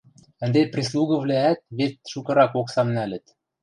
Ӹнде прислугывлӓӓт вет шукырак оксам нӓлӹт...